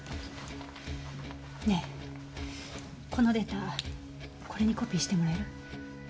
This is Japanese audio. ねえこのデータこれにコピーしてもらえる？